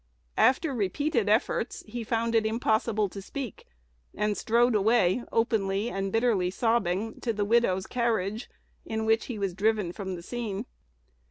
After repeated efforts, he found it impossible to speak, and strode away, openly and bitterly sobbing, to the widow's carriage, in which he was driven from the scene.